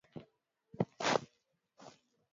jorgensen aliamua kukaa nao kutunza uhai wa familia yake